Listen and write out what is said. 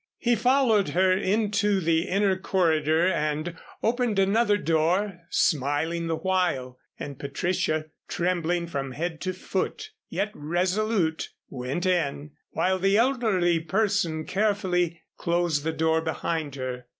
He followed her into the inner corridor and opened another door, smiling the while, and Patricia, trembling from head to foot, yet resolute, went in, while the elderly person carefully closed the door behind her.